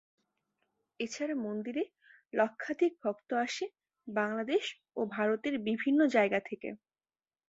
এছাড়া মন্দিরে লক্ষাধিক ভক্ত আসে বাংলাদেশ ও ভারতের বিভিন্ন জায়গা থেকে।